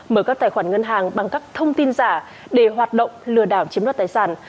mở các tài khoản ngân hàng bằng các thông tin giả để hoạt động lừa đảo chiếm đoạt tài sản